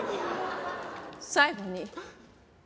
最後に。